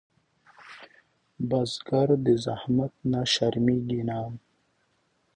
بزګر د زحمت نه شرمېږي نه